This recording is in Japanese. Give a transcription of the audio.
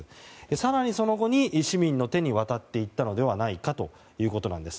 更にその後、市民の手に渡っていったのではないかということです。